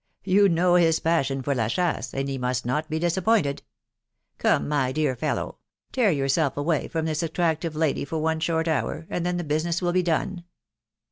You know his passion for la chasse, and he must not be disappointed. Come, my dor fellow .... tear yourself away from this attractive lady for est short hour, and then the business will be done."